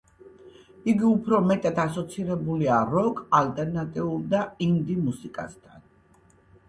იგი უფრო მეტად ასოცირებულია როკ, ალტერნატიულ და ინდი მუსიკასთან.